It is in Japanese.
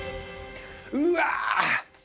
うわ！